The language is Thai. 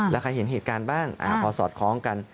แล้วใครเห็นเหตุการณ์บ้างพอสอดคล้องกัน